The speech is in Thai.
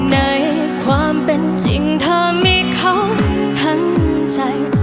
ในความเป็นจริงเธอมีเขาทั้งใจ